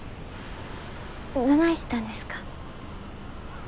どないしたんですか？